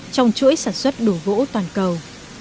trong chuỗi sản xuất đổ gỗ toàn cầu